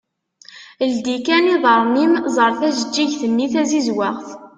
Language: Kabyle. Ldi kan iḍarren-im ẓer tajeğğigt-nni tazizwaɣt.